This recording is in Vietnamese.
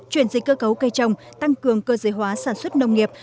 chuyển dịch cơ cấu cây trồng tăng cường cơ giới hóa sản xuất nông nghiệp